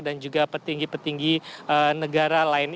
dan juga petinggi petinggi negara lain